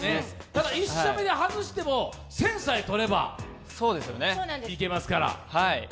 ただ１射目で外しても１０００さえ取ればいけますから。